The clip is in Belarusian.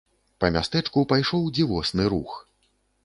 Па мястэчку пайшоў дзівосны рух.